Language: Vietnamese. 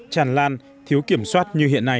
chàn lan thiếu kiểm soát như hiện nay